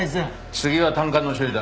次は胆管の処理だ。